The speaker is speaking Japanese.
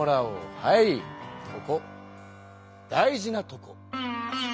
はいここ大事なとこ。